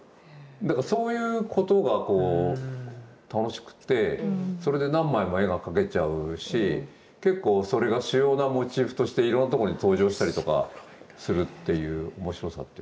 だからそういうことがこう楽しくてそれで何枚も絵が描けちゃうし結構それが主要なモチーフとしていろんなとこに登場したりとかするっていう面白さっていうか。